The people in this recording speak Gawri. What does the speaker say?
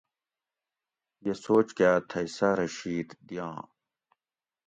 یہ سوچ کاۤ تھئ ساۤرہ شید دیام